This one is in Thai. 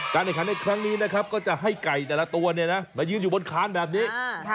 การให้ขันครั้งนี้นะครับก็จะให้ไก่แต่ละตัวเนี่ยนะมายืนอยู่บนขานแบบนี้